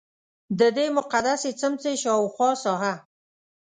ددې مقدسې څمڅې شاوخوا ساحه.